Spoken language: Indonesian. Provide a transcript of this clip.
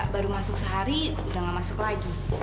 baru masuk sehari udah nggak masuk lagi